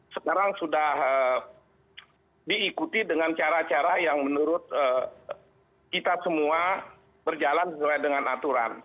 sekarang sudah diikuti dengan cara cara yang menurut kita semua berjalan sesuai dengan aturan